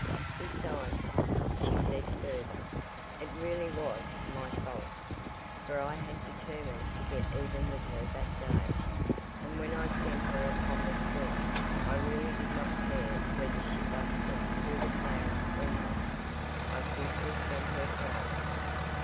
"Besides," she said further, "it really was my fault, for I had determined to get even with her that day, and when I sent her upon the swing I really did not care whether she 'busted' through the clouds or not; I simply sent her flying.